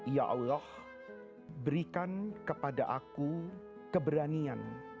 ya allah berikan kepada aku keberanian